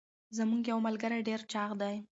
زمونږ یوه ملګري ډير چاغ دي.